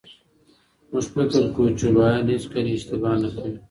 موږ فکر کوو چي لویان هیڅکله اشتباه نه کوي.